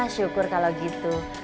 syukur kalau gitu